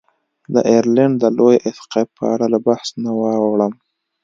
د ایرلنډ د لوی اسقف په اړه له بحث نه واوړم.